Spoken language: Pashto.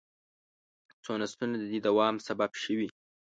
څو نسلونه د دې دوام سبب شوي.